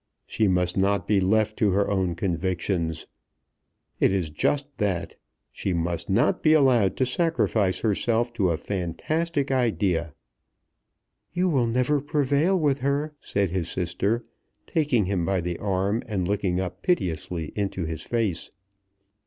"She must not be left to her own convictions. It is just that. She must not be allowed to sacrifice herself to a fantastic idea." "You will never prevail with her," said his sister, taking him by the arm, and looking up piteously into his face.